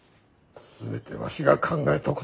全てわしが考えたこと。